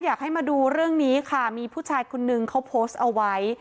อยากให้มาดูเรื่องนี้ค่ะมีผู้ชายคนนึงเขาโพสต์เอาไว้